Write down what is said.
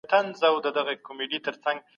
څېړونکی باید د ټولنې د پرمختګ لپاره کار وکړي.